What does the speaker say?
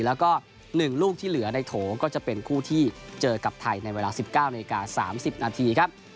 แล้วก็หนึ่งลูกที่เหลือในโถ่ก็จะเป็นคู่ที่เจอกับไทยในเวลาสิบเก้านาฬิกาสามสิบนาทีครับ